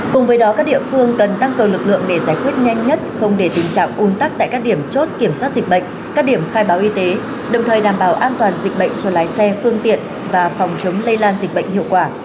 cùng với đó các địa phương cần tăng cường lực lượng để giải quyết nhanh nhất không để tình trạng un tắc tại các điểm chốt kiểm soát dịch bệnh các điểm khai báo y tế đồng thời đảm bảo an toàn dịch bệnh cho lái xe phương tiện và phòng chống lây lan dịch bệnh hiệu quả